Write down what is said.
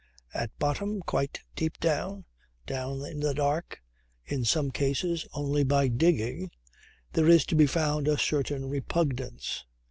At bottom, quite deep down, down in the dark (in some cases only by digging), there is to be found a certain repugnance